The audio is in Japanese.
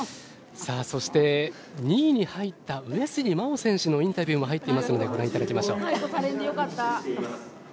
そして２位に入った上杉真穂選手のインタビューも入ってますのでご覧いただきましょう。